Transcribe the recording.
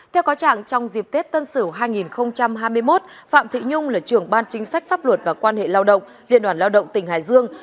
theo có trạng trong dịp tết tân sửu hai nghìn hai mươi một phạm thị nhung là trưởng ban chính sách pháp luật và quan hệ lao động liên đoàn lao động tỉnh hải dương